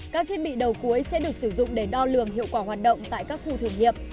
các thiết bị đầu cuối sẽ được sử dụng để đo lường hiệu quả hoạt động tại các khu thường nghiệp